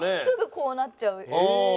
すぐこうなっちゃう。